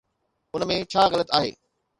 ان ۾ ڇا غلط آهي؟